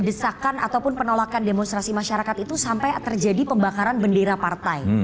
desakan ataupun penolakan demonstrasi masyarakat itu sampai terjadi pembakaran bendera partai